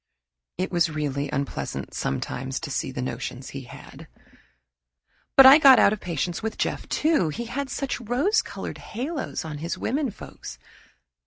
It was really unpleasant sometimes to see the notions he had. But I got out of patience with Jeff, too. He had such rose colored halos on his womenfolks.